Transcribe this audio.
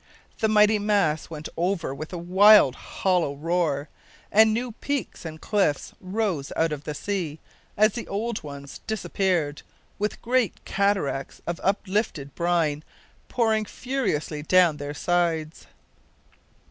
The mighty mass went over with a wild hollow roar, and new peaks and cliffs rose out of the sea, as the old ones disappeared, with great cataracts of uplifted brine pouring furiously down their sides.